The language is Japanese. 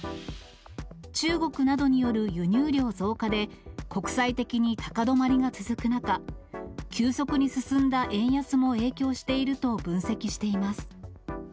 中国などによる輸入量増加で国際的に高止まりが続く中、急速に進んだ円安も影響していると分析しています。